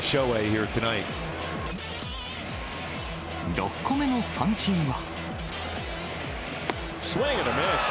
６個目の三振は。